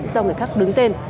do người khác đứng tên